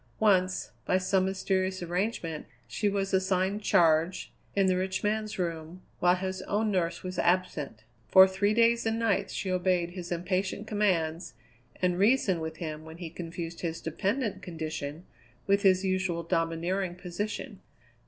Once, by some mysterious arrangement, she was assigned charge, in the rich man's room, while his own nurse was absent. For three days and nights she obeyed his impatient commands and reasoned with him when he confused his dependent condition with his usual domineering position.